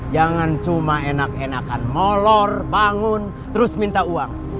jangan cuma enak enakan molor bangun terus minta uang